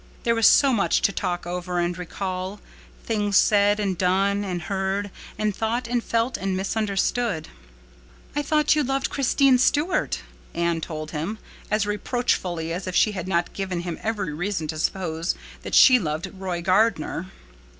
There was so much to talk over and recall—things said and done and heard and thought and felt and misunderstood. "I thought you loved Christine Stuart," Anne told him, as reproachfully as if she had not given him every reason to suppose that she loved Roy Gardner.